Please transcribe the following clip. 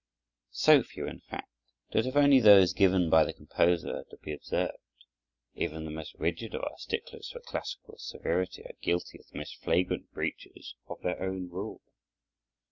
So few, in fact, that if only those given by the composer are to be observed, even the most rigid of our sticklers for classical severity are guilty of the most flagrant breaches of their own rule.